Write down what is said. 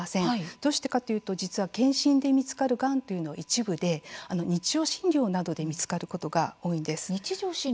どうしてだというと実は検診で見つかるがんというのは一部で日常診療などで見つかることが多いんです。